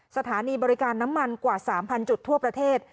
สถานีบริการน้ำมันกว่า๓๐๐จุดทั่วประเทศ